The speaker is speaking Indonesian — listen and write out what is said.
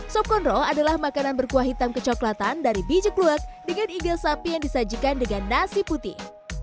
sokondro adalah makanan berkuah hitam kecoklatan dari biji kluak dengan igal sapi yang disajikan dengan nasi putih